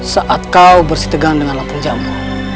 saat kau bersitegang dengan lampunjamu